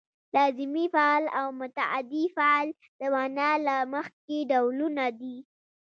لازمي فعل او متعدي فعل د معنا له مخې ډولونه دي.